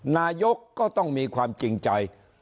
นายกก็ต้องมีความจริงใจ